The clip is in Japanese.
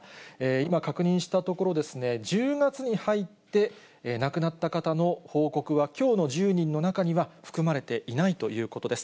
今確認したところですね、１０月に入って、亡くなった方の報告は、きょうの１０人の中には含まれていないということです。